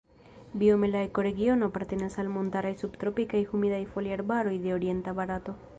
Biome la ekoregiono apartenas al montaraj subtropikaj humidaj foliarbaroj de orienta Barato.